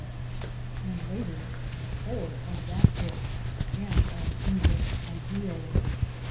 and later the whole of that book, and of England's Ideal.